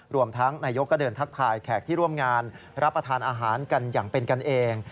รวมทั้งนายกก็เดินทักทายแขกที่ร่วมงานรับประทานอาหารกันอย่างเป็นกันเอง